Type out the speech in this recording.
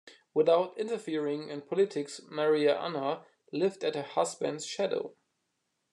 Without interfering in politics, Maria Anna lived at her husband's shadow.